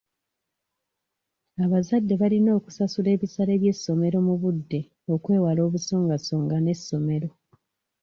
Abazadde balina okusasula ebisale by'essomerro mu budde okwewala obusongasonga n'essomero.